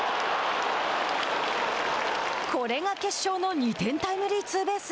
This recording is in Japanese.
これが決勝の２点タイムリーツーベース。